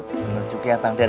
bener juga ya bangder ya